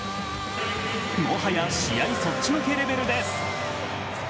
もはや試合そっちのけレベルです。